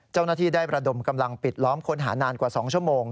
เจ้าหน้าที่ได้ประดมกำลังปิดล้อมค้นหานานกว่า๒ชั่วโมง